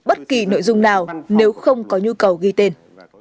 bất kỳ nội dung nào nếu không có nhu cầu ghi tên